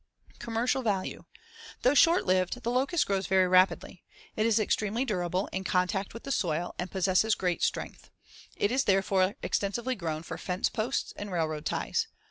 Commercial value: Though short lived, the locust grows very rapidly. It is extremely durable in contact with the soil and possesses great strength. It is therefore extensively grown for fence posts and railroad ties.